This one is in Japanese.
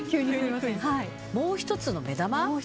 もう１つの目玉？